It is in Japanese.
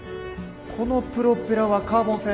このプロペラはカーボン製？